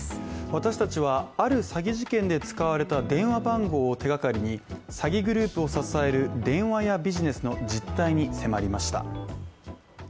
私たちは、ある詐欺事件で使われた電話番号を手がかりに詐欺グループを支える電話屋ビジネスの実態に迫りました。